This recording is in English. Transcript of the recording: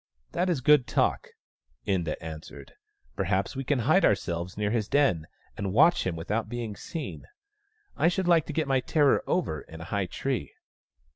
" That is good talk," Inda answered. " Perhaps we can hide ourselves near his den, and watch him without being seen. I should like to get my terror over in a high tree."